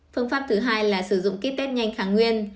phương pháp thứ hai là sử dụng kết test nhanh kháng nguyên